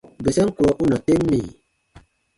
Bɛsɛm kurɔ u na tem mì ?: